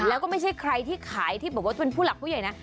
แล้วก็ไม่ใช่ใครที่ขายที่บอกว่าเป็นผู้หลักผู้ใหญ่นะ